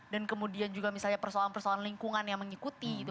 dan kemudian juga misalnya persoalan persoalan lingkungan yang mengikuti gitu